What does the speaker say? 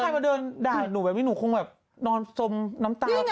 ใช่มาเดินด่าหนูแบบนี้หนูคงแบบนอนสมน้ำตากัน